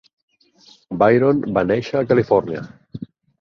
Byron va néixer a Califòrnia.